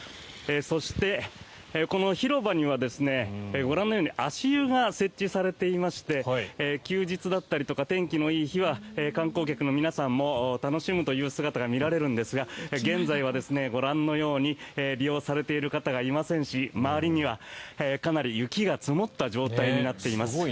そして、この広場にはご覧のように足湯が設置されていまして休日だったりとか天気のいい日は観光客の皆さんも楽しむという姿が見れるんですが現在は、ご覧のように利用されている方がいませんし周りには、かなり雪が積もった状態になっています。